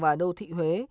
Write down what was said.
và đô thị huế